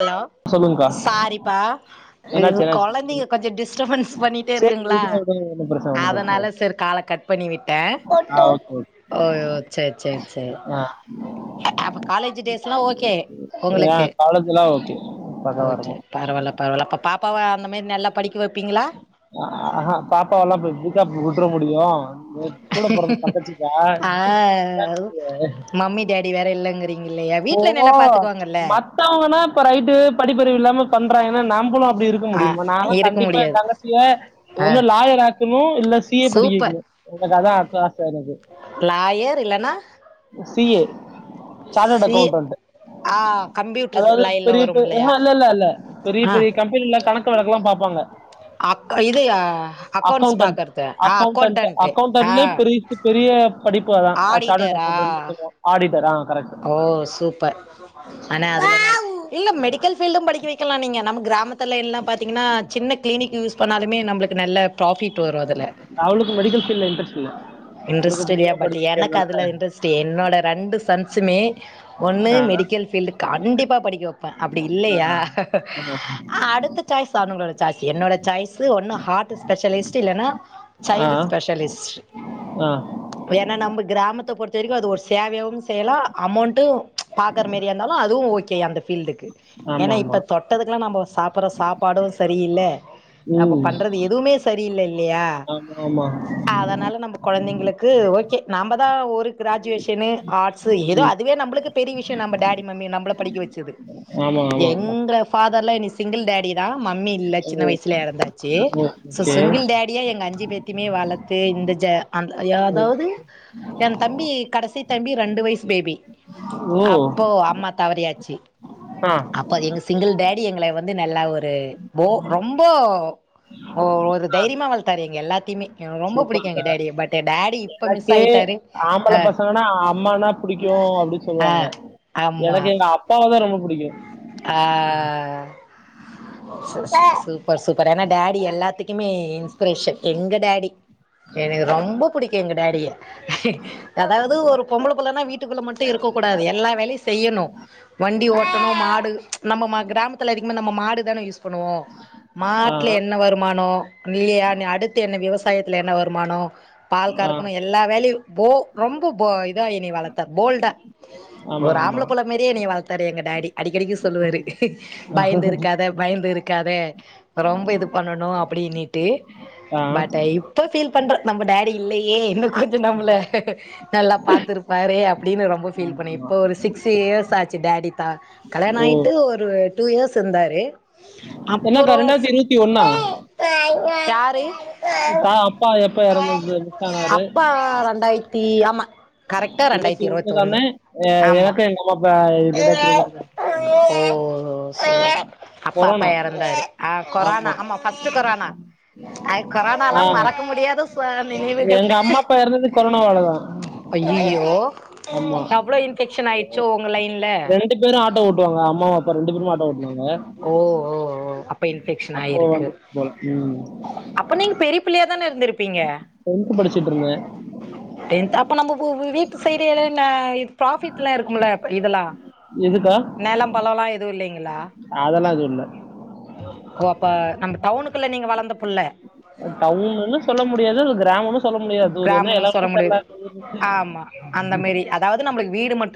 Hello சொல்லுங்க்கா சாரிப்பா அ என்னாச்சு என்னாச்சு கொழந்தைங்க கொஞ்சு டிஸ்டபன்ஸ் பண்ணிட்டே சரி இருக்குங்ளா விடுங்க விடுங்க ஒன்னும் பிரச்சன ஒன்னும் பிரச்சன அதனால இல்ல செரி கால கட் பண்ணி விட்டே ஆ ஒரு ஓகே ஓகே ஒ செர் செர் செர் ஆ அ அ அப்போ காலேஜு டேஸ்லா ஓகே உங்குளுக்கு [unintelligible] ஓகே ஓகே பரவால பரவால அப்ப பா ப்பாவ அ அஹா பாப்பாவெல்லா இப்ப எப்டிக்கா விட்ற முடியு [unintelligible] கூட பொறந்த தங்கச்சிக்கா [inaudible] ஆ மம்மி டேடி வேற இல்லங்கிறீங்க இல்லையா ஓ வீட்ல நல்லா பாத்துக்குவாங்கல்ல மத்தவங்கனா ரைட்டு படிப்பறிவு இல்லாம பண்றாங்கனா நம்பலு அப்டி இருக்க ஆ முடியுமா நாலா இருக்க கண்டிப்பா எ முடியாது தங்கச்சிய ஆ ஒன்னு லாயர் ஆக் கனு இல்ல சி ஏ படிக்க சூப்பர் வெக்கணு எனக் அதா ஆச எனக்கு லாயர் இல்லனா [unintelligible] டு அக்கவுண்டன்ட் அதாவது லைன்ல பெரிய வரும் பெரி இல்லையா ம்ஹூம் இல்ல இல்ல பெரிய ஆ பெரிய கம்பெனில கணக்கு வழக்கெல்லா பாப்பாங்க அக் இது அக்கௌண்ட்ஸ் அக்கவுண்டன்ட் பாக்கறது ஆ அக்கவுண்டன்ட் அக்கௌண்டன்ட் ஆ அக்கவுண்டன்ட்லயே பெரிசு பெரிய படிப்பு அதா அ சாட்டடு ஆடிட்டரா அக்கௌண்ட்னு சொல்லுவாங்க ஆடிட்டர் ஆ கரெக்ட் ஓ சூப்பர் ஆனா அதுல இல்ல மெடிக்கல் ஃபீல்டு படிக்க வை க்கலா நீங்க நம்ம கிராமத் த்தல எல்லா பாத்தீங்கன்னா சின்ன கிளினிக் யூஸ் பண்ணாலுமே நம்ப்ளுக்கு நல்ல ப்ராஃபிட் வரூ அது ல அவளுக்கு மெடிக்கல் ஃபீல்ட்ல இன்ட்ரெஸ்ட் இல்ல அவளுக்கு இன்ட்ரெஸ்ட் இல்லையா பிடிக்காம பட் படிக்க எனக்கு என்னோட அதுல இன்ட்ரெஸ்ட் என்னோட ரெண்டு சிமே ஒண்ணு ஆ மெடிக்கல் ஃபீல்டு கண்டிப்பா படிக்க வப்ப அப்டி ஆ, இல்லையா ஆ, அடுத்த சாய்ஸ் அவங்களோடது சாய்ஸ் என்னோட சாய்ஸ்சு ஒன்னு ஹார்ட் ஸ்பெஷலிஸ்ட் இல்லன்னா ஆ, சைல்டு ஸ்பெஷலிஸ்ட் ஆ, ஏன்னா நம்பக் கிராமத்த பொறுத்த வரைக்கு அது ஒரு சேவையாவு செய்யலா அமோண்ட்டூ பாக்கற மேரியா இருந்தாலு அதுவு ஓக் கே அந்த ஃபீல்டுக்கு ஆமா ஏன்னா ஆமா இப்ப தொட்டதுக்கெல்லா நம்ப சாப்புட்ற சாப்பாடும் சரியில்ல நம்ம ம் பண்றது எதுவுமே சரியில்ல இல்லையா ஆமா ஆமா அதனால நம்ப குழந்தைங்களுக்கு ஓகே நாம்ப தா ஒரு கிராஜுவேஷனு ஆர்ட்ஸ் ஏதோ ம், அதுவே நம்பளுக்கு பெரிய விஷயம் நம்ப டாடி மம்மி நம்மள படிக்க வச்சது ஆமா ஆமா எங்க ஃபா தர் லா என்னய சிங்கிள் டாடி யா மம்மி இல்ல சின்ன ஓ வயசுல எறந்தாச்சி சோ ஓகே சிங்கிள் டாடியா எங்க அஞ்சு பேத்தையுமே வளத்து இந்த ஜெ அந்த ஐயோ அதாவது என் தம்பி கடைசி ரெண்டு வயசு பேபி ஓ அப்போ அம்மா தவறி ஆ அப்ப அது எங்க சிங்கிள் டா டி எங்கள வ வந்து நல்லா ஒரு போ ரொம்போ ஓ ஒரு தைரியமா வளத்தாரு து எங்க எ த்திமே எனக்கு ரொம்ப புடிக்கூ எங்க சூப்பர்க்கா டாடிய பட் டாடி இப்ப மிஸ் ஆயிட்டாரு ஆ அ அம்மானா புடிக்கூ அப்டி சொல்லுவாங்க ஆமா எனக்கு எங்க அப்பாவதா ரொம்ப புடிக்கும் ஆ சு [inaudible] சு பார் சூப்பரான டாடி எல்லாத்துக் க்குமே இன்ஸ்பரேஷன் எங்க டாடி எனக்கு ரொம்ப புடிக்கு எங்க டாடி யே அதாவுது ஒரு பொம்பள புல்லன்னா வீட் வீட்டிக்குள்ள மட்டு இருக்கக் கூடாது எல்லா வேலையு செய்யணு வண்டி ஓட்டணு மாடு ச் நம்ம மா கிராமத்துல அதிகமாக நம் ம்ம மாடு தான யூஸ் பண்ணுவோ ஆ மாட்ல என்ன வருமானோ இல்லயா அடுத்து என்ன விவசா சாயத்துல என்ன வருமானோ பால் ஆ கரக்கணு எல்லா வேலையு போ ரொம்ப போ இதா என்னய வளத்தாரு போல்டா ஆமா ஒரு ஆமா ஆம்பளப்புள்ள மாரியே என்னயே வளத்தாரு எங்க டாடி அடிக்கடிக்கு சொல்லுவாரு பயந்துருக் க்காத பயந்துருக்காத ரொம்ப இது பண்ணணு அப்படின்னிட்டு ஆ பட் இப்ப ஃபீல் பண்ற நம்ம டாடி இல்லையே இன்னு கொஞ்ச நம்மள நல்லா பார்த்துருப்பாரே அப்டின்னு ரொம்ப ஃபீல் பண்ண ஆமா இப்போ ஒரு சிக்ஸ் இயர்ஸ் ஆச்சு டாடி தான் கலயாண ஓ ஆயிட்டு ஒரு டூ இயர்ஸ் த்திருந்த ரே என்னக்கா அப்புறோ யாரு தா அப்பா எப்ப எறந்தது மிஸ் அப்பா ரெண்டாயிரத்தி த்தி ஆமா கரெக்டா இருவத்தி ரெண்டாயிரத்தி இருபத்தி ஒண்ணுதானே ஒண்ணு எ ஆமா எனக்கு எங்க அம்மாக் வ ஓ இதுல [unintelligible] சரி அப்பா கொரோனா அப்பா இறந்தாரு ஆ கொரோனா ஆமா ஃபர்ஸ்ட் கொரோனா அது ஆ கொரோனாலா மறக்க முடியாத ச நினைவுகள் எங்க அம்மா அப்பா எறந்தது கொரோனாவாலதான் அய்யய்யோ அவ்ளோ இன்ஃபெக்ஷன் ஆயிட்ச்சோ ரெண்டு பேரு ஆட்டோ ஓட் டுவாங்க அம்மாவும் அப் ஓ ஓ ஒ அப்ப இன்பெக்ஷன் அப்போ ஆயிருக்கு வந்துச்சு போல. ம். அப்ப நீங்க பெரிய பிள்ளையா தானே இருந்திருப் பீங்க படிச்சுட்டு இருந்தேன். டென்த் அப்ப நம்ப உங் வீட்டு சைடு என்ன ஃப்ராபிட்லா இருக்குமுல்ல இதெல்லா எதுக்கா? நெலம் பலம்லா இருக் இல்லீங்களா அதெல்லா எதுவு இல்ல ஓ அப்ப நம்ப டவுனுக்குள்ள நீங்க வளந்த புள்ள டவுனுன்னு சொல்ல முடியாது கிராமன்னும் சொல்ல முடியாது இது ஒரு என்ன கிராமம்னு சொல்ல எடமு தெற்ல முடியாது ஆமா அந்த மாரி அதாவது நம்மளுக்கு வீடு மட்டு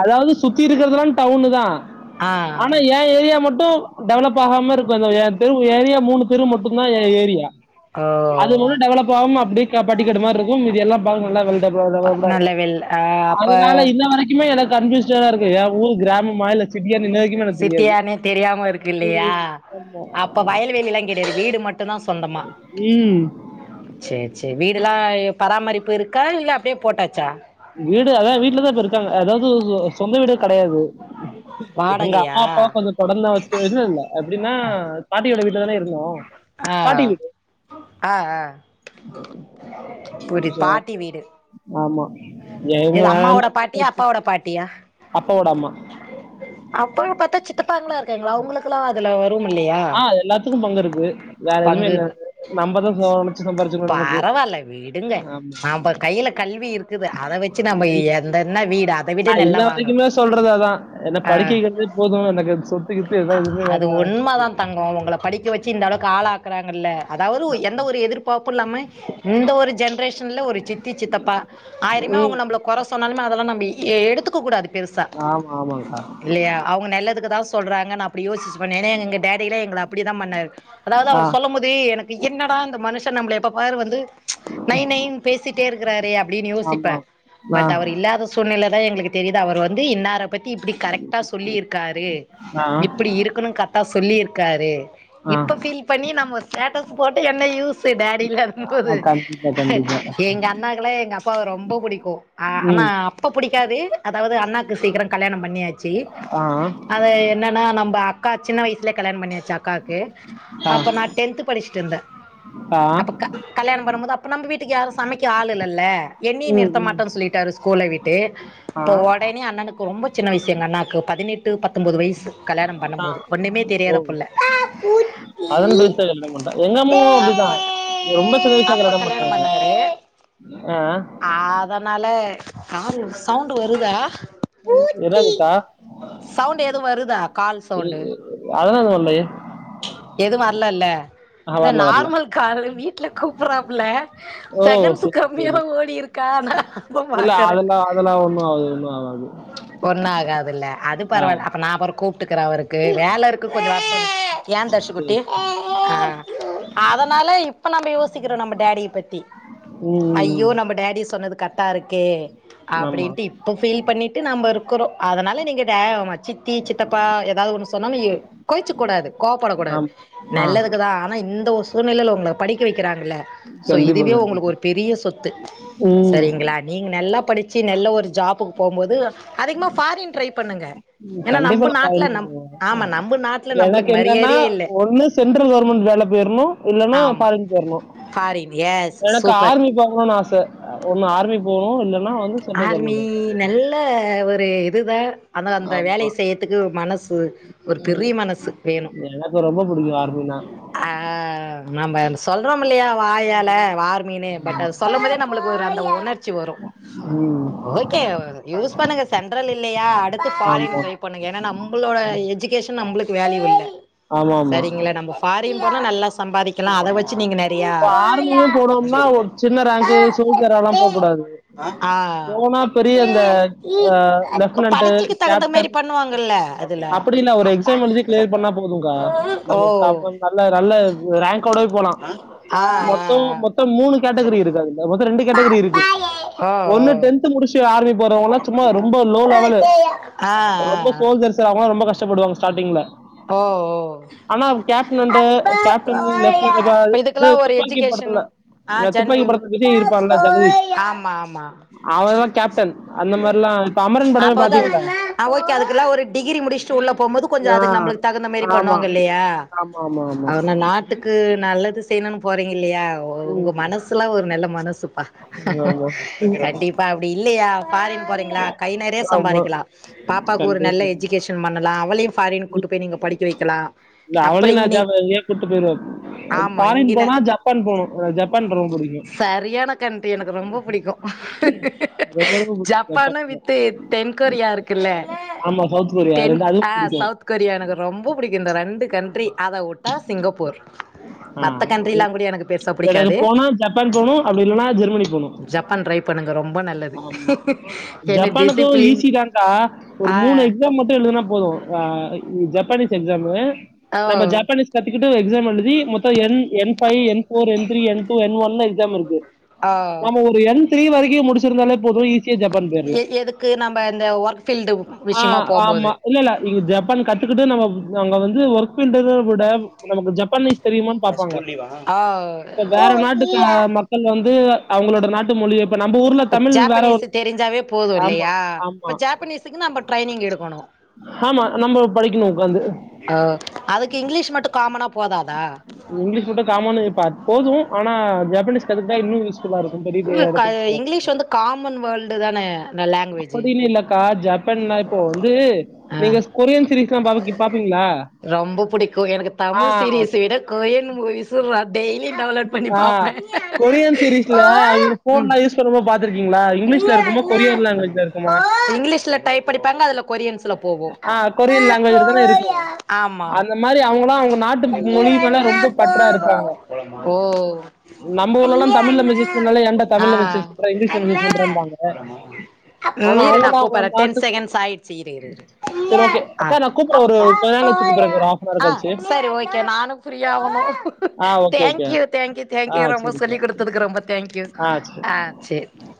அதாவது சுத்தி இருக்றதுலா டவுனுதா ஆ ஆனா ஏ ஏரியா மட்டு டெவலப் ஆகாம இருக்கு அந்தோ ஏ தெரு ஏரியா மூணு தெரு மட்டுந்தா ஏ ஏரியா ஓ அது உள் டெவலெப் ஆவாம அப்டியே க பட்டிக்காடு மார்ரிக்கு மீதி எல்லா பாக் நல்லா வெல்டெப்ளா டெவலெப்டா நல்ல இருக்கு வேல் ஆ அப்ப அதனால இன்ன வரைக் இன்னு எனக் கன்ஃப்யூஸ்டாதா இருக்கு ஏ ஊரு கிராம் சிட்டியானே தெரியாம இருக்கு இல்லையா அப்ப வயல்வெளிலா கெடையாது வீடு மட் டுந்தா சொந்தமா ம் சேர் சே வீடுல்லா எ பராமரிப்பு இருக்கா இல்ல அப்டியே போட்டாச்சா வீடு அதா வீட்லதா இப்ப இருக்காங்க அதாது சொ சொந்த வீடு கடையாது எங்க வாடகையா அம்மாப்பா கொஞ்சொ தொடந்துதா வச்ட்டுவேனு இல்ல எப்டின்னா பாட்டி ஓட வீடு தானே இருந்தோ ஆ ஆ ஆ புரி பாட்டி வீடு ஆமா எங்க எது அம்மாவோட பாட்டியா அப்பாவோட பாட்டியா அப்பாவோட அம்மா அப்பலொ பாத்தா சித்தப்பாங்ளா இருக்காங்ள அவங்களுக்குலா தலா ஒர் ஆ எல்லாத்துக்கு பங்கு இருக் கு பங்கு நினைச்சு சம்பாரிச்சுக்கணும் நமக்கு பரவால விடுங்க ஆமா நம்ப கையில கல்வி இருக்குது அத வச்சி நம்ம எந்தென்ன வீடா நா இன்ன வரைக்குமே சொல்றது அதா என்ன ஆ படிக்க வக்கிறதே போது எனக்கு சொத்து கித்து எதாவது எதுவுமே அது வேணாம் உண்ம தா தங்கோ உங்கள படிக்க வச்சு இந்த அளவுக்கு ஆளாக்குறா நல்ல அதாவது எந்த ஒரு எதிர்பாப்புல்லாம இந்த ஒரு ஜென்ரேஷ் ஷன்ல ஒரு சித்தி சித்தப்பா ஆயிரமே ம், அவங்க நம்ப்ள கொற சொன்னாலுமே அதெல்லா நம்பி எ எடுத்துக்க கூடாது பெருசா ஆமா ஆமாங்கக்கா இல்லையா அவங்க நல்லதுக்கு தாஸ் சொல்றாங்கன் அப்டி யோசிச்சி பண் ஏனா எங்க டேடிலா எங்ள அப்டிதா பண்ணார் அதாவது ஆ அவர் சொல்லும்போது எனக்கு என்னடா இந்த மனுஷ நம்ள எப்பப் பார் வந்து நை நைன் பேசிட்டே இருக்றாரே அப்டின் யோசிப்பே ஆமா ஆ பட் அவரு இல்லாத சூழ்நில தா எங்ளுக்கு தெரிது அவரு வந்து இன்னார பத்தி இப்டி கரெக்டா சொல்லி இருக்காரு ஆ எப்டி இருக்கணு கத் டா சொல்லியிருக்காரு ஆ இப்ப ஃபீல் பண்ணி நம்ம ஸ்டேடஸ் போட்டு என்ன யூஸ்ஸு டேர் நீ ஆ, இல்லாதம்போது கண்டிப்பா கண்டிப்பா எங்க அண்ணாக்குல்லா எங்க அப்பாவ ரொம்ப புடிக்கு அ ஆனா ம் அப்போ புடிக் காது அதாவது அண்ணாக்கு சீக்கிரம் கல்யாணம் பண்ணியாச்சி ஆ என்னன்னா நம்ம அக்கா சின்ன வயிஸ்ல கல்யாணம் பண்ணிரு ச்சி அக்காக்கு ஆ அப்ப நா டென்த்து படிஸ்டிருந்த ஆ அப்ப க கல்யாணம் பண்ணும்போது அப் ப நம்ம வீட்டுக்கு யாரு சமைக்க ஆள் இல்லல்ல என்னியு ம் நிறுத்த ம் மாட்ட சொல்லிட்டாரு ஸ்கூல விட் டு ஆ இப்ப ஒடனே அண்ணனுக்கு ரொம்பச் சின்ன வயிசு எங்க அண்ணாக்கு பதினெட் டு பத்தொம்போது வயிசு அ ஓ பதனெட்டு வயிசுலலா கல்யாணம் பண்டாங்க எங்க அம்மாவு அப்டிதா அப்ப- ரொம்ப சின்ன வயிசுல அப்ப கல்யாணம் பண்டாங்க அ ஆதனால கால் சவுண்ட்டு வருதா பூக்கி எதாவதுக்கா சவுண்ட்டு எது வருதா கால் சவுண்டு அதெல்லாம் எதுவும் வரலையே எது வர்லல்ல ஆஹ் நா வரல வரல நார்மல் கால் வீட்டுல கூப்புறாப்புல ஓ செகன்ஸ்ஸு சரி சரி கம்மியா ஓட் கா நா இப்போ இல்ல பாக்கற அதெல்லாம் அதெல்லாம் ஒண்ணும் ஆகாது ஒண்ணும் ஆகாது ஒண்ணு ஆகாதுல்ல அது ஆ பரவால்ல அப்ப நா கூப்ட்டுக்கற அவருக்கு வேலருக்கு கொஞ்ச வர்சொல் ஏ சரி தர்ஷுகுட்டி அ அதனால இப்ப நம்ம யோசிக்கிறோ நம்ம டேடிய பத்தி ம், ஐயோ ம் நம்ம டாடி சொன்னது கர்டாருக்கே ம். ஆமா அப்டின்ட்டு இப்ப ஃபீல் பண்ணிட்டு நாம்பருக்குறோ அதனால நீங்க டே சித்தி சித்தப்பா ஏதாது ஒண்ணு சொன்னலு எ கோய்ச்சிக் கூடாது கோப்படக் கூடாது ஆமா ஆ நெல்லதுக்குதா ஆனா இந்த ஓர் சூழ்நிலல உங்க படிக்க வெய்க் கிறாங்கள சோ கண்டிப்பா இதுவே உங்களுக்கு கண்டிப்பா ஒரு பெரிய சொத்து ம் சரிங்களா நீங்க நல்லா படிச்சி ந ல்ல ஒரு ஜாபுக்கு போம்போது அதிகமா ஃபாரின் ட்ரை பண்ணுங்க ம் ஏன்னா கண்டிப்பா நம்ம நா பரின் நாட்டுல வேலைக்கு நம் போவேங்க ஆமா நம்ம நாட்டுல எனக்கு நம்மளுக்கு என்னன்னா மரியாதையே இல்லை ஒண்ணு சென்ட்ரல் கவுர்மெண்ட் வேல போயற்ணு இல்லன்னா ஆமா பாரின் போயற்ணு ஃபாரின் எஸ் எனக்கு சூப்பர் ஆர்மி போகணுன்னு ஆச ஒன்னு ஆர்மி போனு இல்ல ஆர்மி நல்ல ஒரு இதுதா ஆன அந்த வேலைய ஆமா செய்றதுக்கு ஒரு மனசு புவு ஒரு பெரிய மனசு வேணு எனக்கு ரொம்ப புடிக்கு ஆர்மினா. ஆ நம்ம அந்த சொல்றோம் இல்லையா வாயால வார்மினு பட் ஆமா. அத சொல்லும் போதே நமளுக்கு ஒரு அந்த உணர் ச்சி வரு ம். ஓகே ஓ யூஸ் பண்ணுங்க சென்ட்ரல் இல்லையா அடுத்து பாஃரின் ஆமா. போய் பண்னுக ஏன நம்புளோட எஜிகேஷன் நம்புளுக்கு வேல்யூ இல்ல ஆமாமா. சரிங்களா நம்ம ஃபார் ரின் போனா நல்லா சம்பாதிக்கலா அத வச்சு நீங்க நெரை ப்ப ஆர்மியு போரோம்னா ஒரு சின்ன ரேங்க் சோல்ஜர்ல போக கூடாது ஆ அ இப்ப படிச்சுக்கு தகுந்த மாரி பண்ணுவாங்க ல அப்புடி இல்ல ஒரு எக்ஸாம் எலூதி கிலியர் பன்னாபோதுங்கா ஓ நம்ம [unintelligible] நல்ல நல்ல ரேங்கோடவே போல ஆ ஆ மொத்தோ மொத்தோ மூணு கேட்டகரி இருக்குது அதுல மொத்தோ ரெண்டு கேட்டகரி இருக்கு ஓ ஒன்னு ஓ டென்த் முடிச்சு ஆர்மி போறவங்கலாம் சும்மா ரொம்ப ஆ லோ ஆ ஆ அவங்கலா ரொம்ப கஷப்படுவாங்க ஸ்டார்டிங்ல ஓ ஓ ஆனா கேப்டன் அண்ட் கேப்டன் லெப்டினன்ட் இப்ப இது இதுக்கெல்லா ஒரு துப்பாக்கி எஜுகேஷன் படத்துல ஆ இந்த துப்பாக்கி படத்துல விஜய் இருப்பான்ல ஜெகதீஷ் [unintelligible] ஆமா ஆமா அவன் தான் கேப்டன் அந்த மாதிரிலாம் இப்ப அமரன் அப்ப படமே வந்து பாத்தீங்களா ஆ ஒகே அதுக்கெல்லா ஒரு டிகிரி முடிச்சுட்டு உள்ள போம்போது கொஞ்சோ அதுகு ஆ, நமபுளுக்கு தகுந்த மாரி ஆமா பண்ணுவாங்க இல்லையா ஆமா ஆமா ஆமா அவன நாட்டுக்கு நல்லது செய்யணும் போறீங்க இல்லையா ஓ உங்க ம், மனசுலா ஒரு நல்ல மனசுப்பா ஆமா ம், கண்டிப்பா அப்படி இல்லையா ஃபாரின் போறீங்களா கை நிறைய ஆமா சம்பாதிக்கலா பாப்பாக்கு ஒரு நல்ல கண்டிப்பா எஜுகேஷன் பண்ணலா [unintelligible] ஃபாரின் கூட்டு போய் நீங்க படிக்க வைக்கலா இல்ல, அப்ரோ அவளையும் நான் இங்கனி ஜப்ப- இங்கேயே கூட்டு போயிருவேன் ஆமா ஃபாரின் இங்கின போனா ஜப்பான் போகணும் எனக்கு ஜப்பான் ரொம்ப பிடிக்கும் சரியான கண்ட்ரி எனக்கு ரொம்ப புடிக்கு ரொம்ப ரொம்ப பிடிக்கும் ஜப்பான ஜப்பான் வித்து தென்கொரியா இருக்குல்ல ஆமா சவுத் கொரியா தென் ரெண்டு அதுவும் ஆ பிடிக்கும் சவூத் கொரியா எனக்கு ரொம்ப பிடிக்கு இந்த ரெண்டு கண்ட்ரி அத வுட்டா சிங்கப்பூர் மத்த ம் கண்ட்ரிலா கூட எனக்கு பெருசா எனக்கு புடிக்காது போனா ஜப்பான் போனு அப்படி இல்லன்னா ஜெர்மனி போனு ஜப்பான் ட்ரை பண்ணுங்க ரொம்ப நல்லது ஆமா என்ன ஜப்பானுக்கு டிசிப்ளின் ஈசி தாங்க்கா ஒரு ஆ மூணு எக்ஸாம் மட்டு எழுதுன்னா போது ஆ ஜப்பானீஸ் எக்ஸாமு ஓ நம்ம ஜப் பானீஸ் கத்துக்கிட்டு எக்ஸாம் எழுதி மொத்தோ N N five N four N two N three N one exam இருக்கு ஆ நம்ம ஒரு என் த்ரீ வரைக் கி முடிச்சிருந்தாலே போது ஈஸ் ஸியா ஜப்பான் போயிடலா எ எதுக்கு நம்ம இந்த ஒர்க் ஃபீல்டு ஆ விஷயமா ஆமா போம்போது இல்ல இல்ல இங்க ஜப்பான் கத்துக்கிட்டு நம்ம நா அங்க வந்து வொர்க்ஃபீல்டாதா மூடம் நமக்கு ஜப்பானீஸ் தெரியுமான் பாப்பாங்க ஆ இப்ப வேற நாட்டுக் க மக்கள் வந்து அவுங்களோட நாட்டு மொழிய இப்ப நம்ம ஊர்ல இப்ப தமிழ் வேற ஜாப்பனீஸ் ஒரு தெரிஞ்சாவே போது ஆமா இல்லையா ஆமா இப்ப ஜாப்பனீஸுக்கு நம்ம ட்ரைனிங் எடுக்கணு ஆமா நம்ம படிக்கணும் உக்காந்து ஆ அதுக்கு இங்கிலீஷ் மட்டு காமனா போதாதா இங்கிலீஷ் கூட காமன்னு இப்ப போது ஆனா ஜாப்பனீஸ் கத்துக்குட்ட இன்னு யூஸ்ஃபுல்லாருக்கு பெரிய இல்ல பெரிய க எடத்துக்கு [unintelligible] இங்கிலீஷ் வந்து காமன் வேர்ல்டு தான லாங்குவேஜு அப்படினு இல்லக்கா ஆ ஜப் இப்பன்னா இப்போ வந்து ஆ நீங்க கொரியன் சீரீஸ் ரொம்ப புடிக்கு எனக்கு ஆ தமிழ் சீரியஸ்ஸ விட கோரியன் மூவிஸ்ஸு பாப்பே ஆ கொரியன் சீரீஸ்ல அவிங்க போன்லா யூஸ் பண்ணும்போது பாத் இருக்குமா இங்கீஷ்ல டைப் அடிப்பங்க அதுல கொரியன்ஸ்ல போகு ஆ கொரியன் லாங்குவேஜ்ல ஆமா அவங்களா வந்து நாட்டு மொழி மேல ரொம்ப பற்றாருப்பாங்க ஓ தமிழ்ல மெசேஜ் பண்ணாலே ஏன்டா தமிழ்ல மெசேஜ் அ பண்ற இங்கிலீஷ்ல மெசேஜ் பண்றேன்பாங்க ம் ஆனா இரு நா அவங்களாம் அவங்க கூப்பற்ற நாட்டு டென் சகேன்ஸ் ஆயிட்ச்சி இரு இரு சரி இரு ஓகே அக்கா நான் கூப்பிடுறேன் ஒரு கொஞ்ச நேரம் கழிச்சு கூப்பிடுறேங்க ஒரு ஹாஃப் அன் அ ஹவர் ஆ கழிச்சு செரி ஓகே நானு ஃப்ரீ ஆவுணு ஆ ஓகே ஓகே தேங்க்யூ தேங்க்யூ ஆ தேங்க்யூ ரொம்ப சரிக்கா சொல்லி் குடுத்ததுக்கு ரொம்ப தேங்க்யூ ஆ சரி அ சேரி